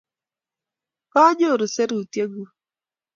kanyoru serutyeng'ung